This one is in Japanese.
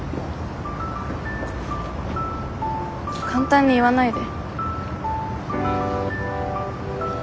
簡単に言わないで。